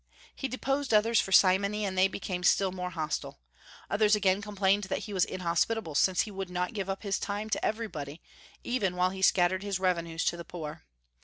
He deposed others for simony, and they became still more hostile. Others again complained that he was inhospitable, since he would not give up his time to everybody, even while he scattered his revenues to the poor.